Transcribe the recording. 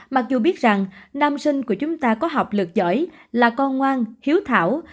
mặc dù biết rằng nam sinh của chúng ta có học lực giỏi là con ngoan hiếu thảo